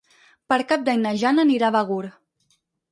Per Cap d'Any na Jana anirà a Begur.